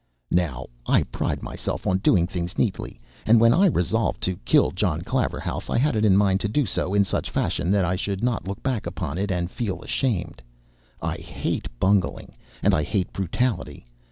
Now, I pride myself on doing things neatly, and when I resolved to kill John Claverhouse I had it in mind to do so in such fashion that I should not look back upon it and feel ashamed. I hate bungling, and I hate brutality.